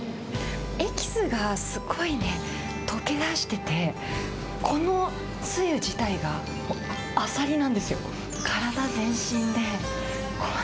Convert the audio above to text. エキスがすごいね、溶け出してて、このつゆ自体が、アサリなんですよ。